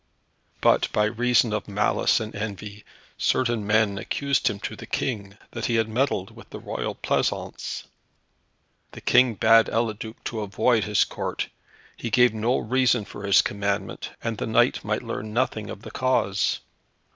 But by reason of malice and envy, certain men accused him to the King that he had meddled with the royal pleasaunce. The King bade Eliduc to avoid his Court. He gave no reason for his commandment, and the knight might learn nothing of the cause.